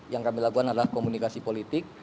yang kami lakukan adalah komunikasi politik